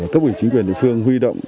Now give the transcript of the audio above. các vị chính quyền địa phương huy động